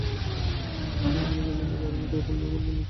কিন্তু যে ভদ্রলোক এসেছেন, তাঁকে মুখের ওপর না বলতেও বাধছে।